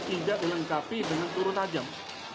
tidak dilengkapi dengan turut ajang